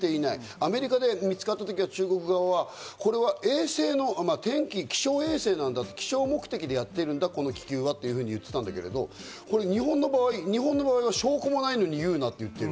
アメリカで見つかった時は中国側はこれは気象衛星なんだ、気象目的でやってるんだ、この気球は。と、言っていたんだけど、日本の場合は証拠もないのに言うなと言ってる。